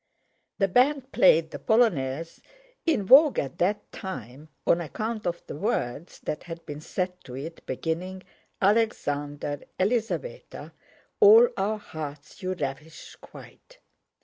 The band played the polonaise in vogue at that time on account of the words that had been set to it, beginning: "Alexander, Elisaveta, all our hearts you ravish quite..."